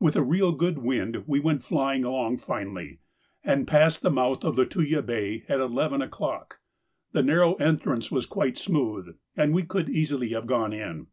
With a real good wind we went flying along finely, and passed the mouth of Lituya Bay at eleven o'clock. The narrow entrance was quite smooth, and we could easily have gone in.